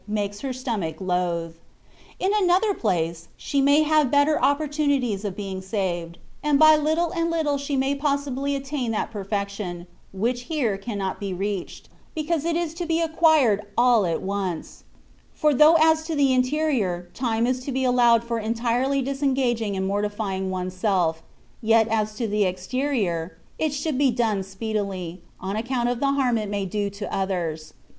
makes her stomach loathe. In another place, she may have better opportunities of being saved ; and by little and little she may possibly attain to that perfection, which here cannot be reached— because it is to be acquired all at once > for though as to the interior, time is to be allowed for entirely disengaging and mortifying one^s self, yet as to the exterior, it should be done speedily, on account of the harm it may do to others.